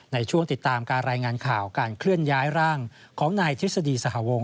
ติดตามการรายงานข่าวการเคลื่อนย้ายร่างของนายทฤษฎีสหวง